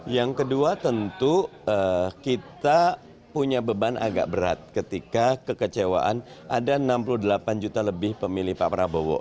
yang kedua tentu kita punya beban agak berat ketika kekecewaan ada enam puluh delapan juta lebih pemilih pak prabowo